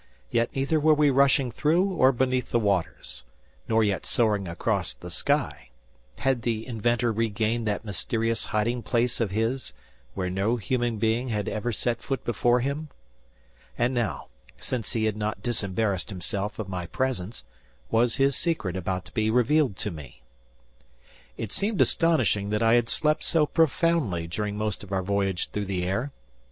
Yet neither were we rushing through or beneath the waters; nor yet soaring across the sky. Had the inventor regained that mysterious hiding place of his, where no human being had ever set foot before him? And now, since he had not disembarrassed himself of my presence, was his secret about to be revealed to me? It seemed astonishing that I had slept so profoundly during most of our voyage through the air.